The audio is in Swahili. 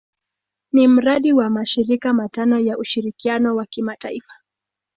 Ni mradi wa mashirika matano ya ushirikiano wa kimataifa.